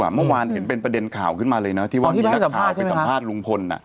เมื่อวานเห็นเป็นประเด็นข่าวขึ้นมาเลยนะที่ว่ามีนักข่าวไปสัมภาษณ์ลุงพล